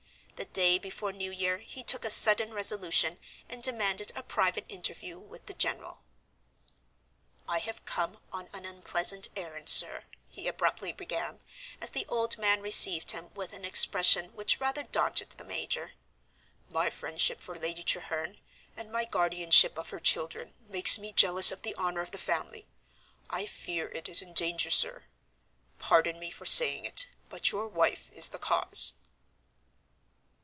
The day before New Year he took a sudden resolution, and demanded a private interview with the general. "I have come on an unpleasant errand, sir," he abruptly began, as the old man received him with an expression which rather daunted the major. "My friendship for Lady Treherne, and my guardianship of her children, makes me jealous of the honor of the family. I fear it is in danger, sir; pardon me for saying it, but your wife is the cause."